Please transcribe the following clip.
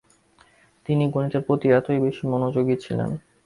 তিনি গণিতের প্রতিই বেশি মনোযোগী ছিলেন।